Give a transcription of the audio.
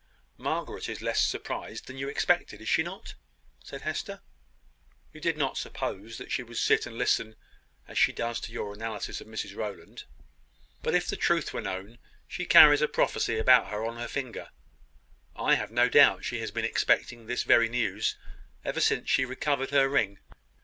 "Margaret is less surprised than you expected, is she not?" said Hester. "You did not suppose that she would sit and listen as she does to your analysis of Mrs Rowland. But if the truth were known, she carries a prophecy about her on her finger. I have no doubt she has been expecting this very news ever since she recovered her ring.